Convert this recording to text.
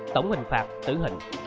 tổng hình phạt tưởng hình